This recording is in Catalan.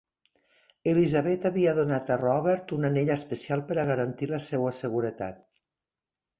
Elizabeth havia donat a Robert un anell especial per a garantir la seua seguretat.